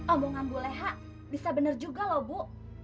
omong omong bu leha bisa bener juga loh bu